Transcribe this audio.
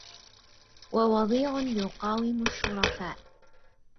ووضيع يقاوم الشرفاء